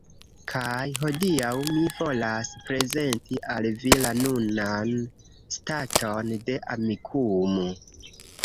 Kaj hodiaŭ mi volas prezenti al vi la nunan staton de Amikumu